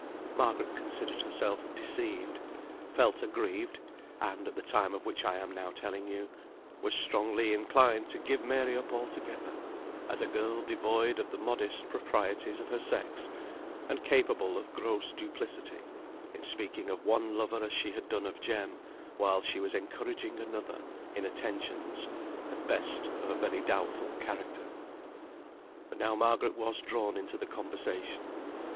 Margaret considered herself deceived; felt aggrieved; and, at the time of which I am now telling you, was strongly inclined to give Mary up altogether, as a girl devoid of the modest proprieties of her sex, and capable of gross duplicity, in speaking of one lover as she had done of Jem, while she was encouraging another in attentions, at best of a very doubtful character. But now Margaret was drawn into the conversation.